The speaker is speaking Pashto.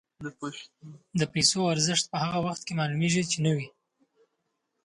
د پیسو ارزښت په هغه وخت کې معلومېږي چې نه وي.